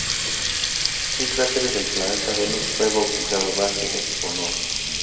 Un cráter del planeta Venus fue bautizado Bassi en su honor.